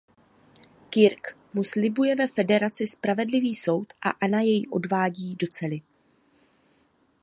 Kirk mu slibuje ve Federaci spravedlivý soud a Anna jej odvádí do cely.